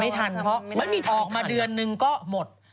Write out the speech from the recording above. ไม่ทันเพราะออกมาเดือนนึงก็หมด